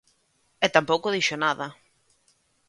E tampouco dixo nada.